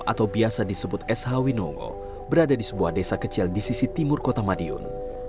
atau biasa disebut sh winongo berada di sebuah desa kecil di sisi timur kota madiun